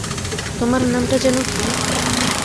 তোমার নামটা যেন কি?